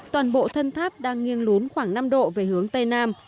toàn bộ thân tháp đang nghiêng lún khoảng năm độ về hướng tây nam